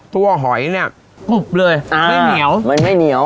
หอยเนี่ยกรุบเลยอ่าไม่เหนียวมันไม่เหนียว